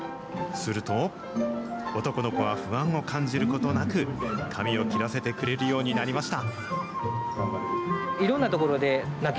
すると、男の子は不安を感じることなく、髪を切らせてくれるようになりました。